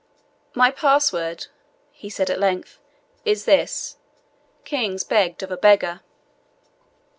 "My password," he said at length, "is this Kings begged of a beggar."